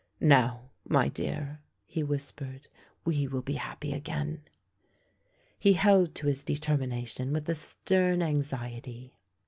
" Now, my dear," he whispered, " we will be happy again." He held to his determination with a stern anxiety.